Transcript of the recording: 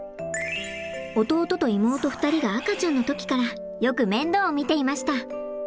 弟と妹２人が赤ちゃんの時からよく面倒を見ていました！